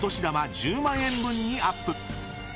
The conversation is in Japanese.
１０万円分にアップ。